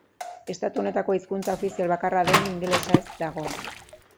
Estatu honetako hizkuntza ofizial bakarra den ingelesez dago.